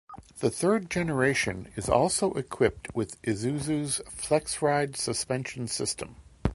The third generation is also equipped with Isuzu's Flex Ride Suspension System.